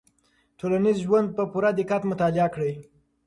ټولنیز ژوند په پوره دقت مطالعه کړئ.